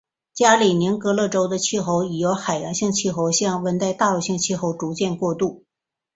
加里宁格勒州的气候已由海洋性气候向温带大陆性气候逐渐过渡。